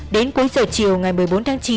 đến cuối giờ chiều ngày một mươi bốn tháng chín